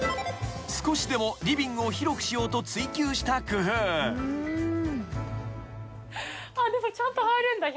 ［少しでもリビングを広くしようと追求した工夫］でもちゃんと入れんだ。